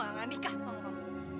nggak nikah sama perempuan